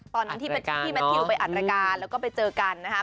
ตอนนั้นที่พี่แมททิวไปอัดรายการแล้วก็ไปเจอกันนะคะ